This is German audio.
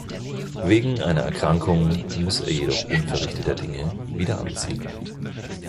Wegen einer Erkrankung muss er jedoch unverrichteter Dinge wieder abziehen.